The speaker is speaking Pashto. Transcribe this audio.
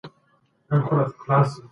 رامنځته کولو لپاره